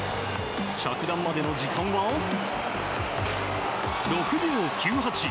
着弾までの時間は６秒９８。